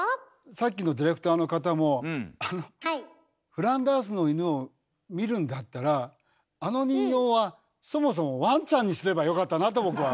さっきのディレクターの方も「フランダースの犬」を見るんだったらあの人形はそもそもワンちゃんにすればよかったなと僕は。